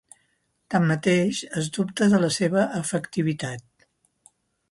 Tanmateix, es dubta de la seva efectivitat.